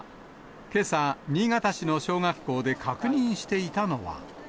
けさ、新潟市の小学校で確認していたのは。